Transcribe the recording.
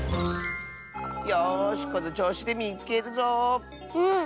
よしこのちょうしでみつけるぞ。